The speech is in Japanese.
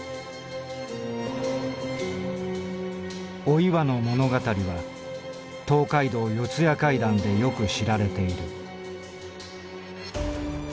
「お岩の物語は『東海道四谷怪談』でよく知られている」。